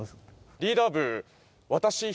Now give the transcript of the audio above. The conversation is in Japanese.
リーダー部。